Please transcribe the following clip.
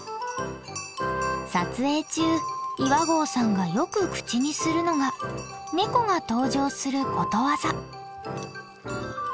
撮影中岩合さんがよく口にするのがネコが登場することわざ。